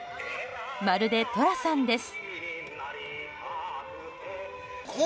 まるで、寅さんです。